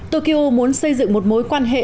tokyo muốn xây dựng một mối quan hệ